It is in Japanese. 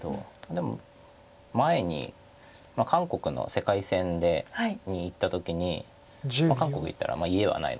でも前に韓国の世界戦に行った時に韓国行ったら家はないので。